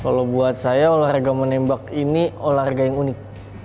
kalau buat saya olahraga menembak ini olahraga yang unik